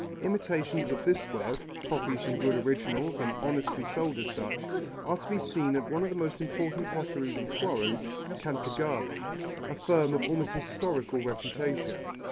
Imitations of this work, copies from good originals and honestly sold as such, are to be seen at one of the most important potteries of Florence, Cantagalli, a firm of almost historical reputation.